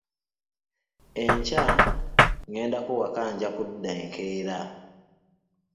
Enkya ŋŋendako waka nja kudda enkeera.